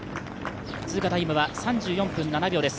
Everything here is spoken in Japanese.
通過タイムは３４分７秒です。